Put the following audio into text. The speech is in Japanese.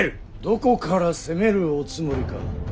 どこから攻めるおつもりか。